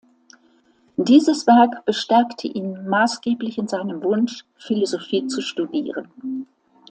Dieses Werk bestärkte ihn maßgeblich in seinem Wunsch, Philosophie zu studieren.